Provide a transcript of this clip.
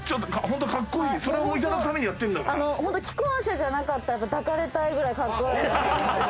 ホント既婚者じゃなかったら抱かれたいぐらいかっこいい。